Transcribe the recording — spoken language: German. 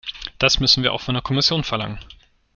Das müssen wir auch von der Kommission verlangen.